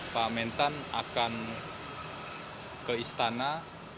pak mentan akan ke istana menghadap bapak presiden